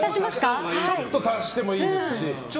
ちょっと足してもいいですし。